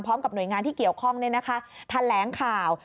พร้อมกับหน่วยงานที่เกี่ยวข้องแถลงข่าว